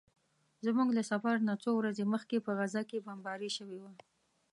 زموږ له سفر نه څو ورځې مخکې په غزه کې بمباري شوې وه.